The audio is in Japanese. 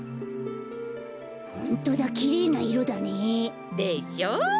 ホントだきれいないろだね。でしょう？